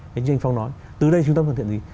thế nhưng anh phong nói từ đây chúng ta hoàn thiện gì